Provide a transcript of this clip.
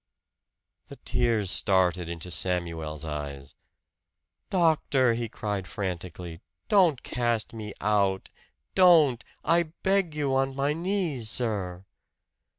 The tears started into Samuel's eyes. "Doctor," he cried frantically, "don't cast me out! Don't! I beg you on my knees, sir!"